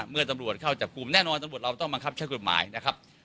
เมื่อตำรวจเข้าจับกลุ่มแน่นอนตำรวจเราต้องบังคับใช้กฎหมายนะครับ